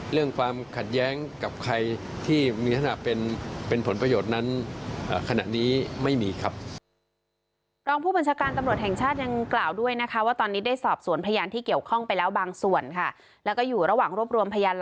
เรื่องความขัดแย้งกับใครที่มีทางคำว่าเป็นผลประโยชน์นั้น